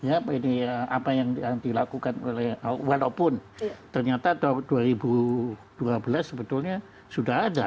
apa yang dilakukan oleh walaupun ternyata dua ribu dua belas sebetulnya sudah ada